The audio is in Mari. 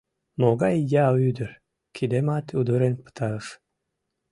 Могай ия ӱдыр, кидемат удырен пытарыш.